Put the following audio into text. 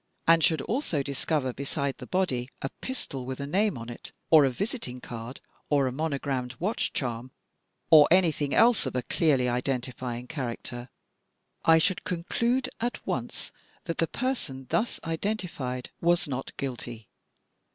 — and should also discover beside the body a pistol with a name on it or a visiting card or a monogramed watch charm, or anything else of a clearly identifying character, I should conclude at once that the person thus identified was not guilty.